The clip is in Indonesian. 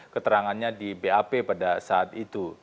keterangannya di bap pada saat itu